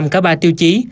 cả ba tiêu chí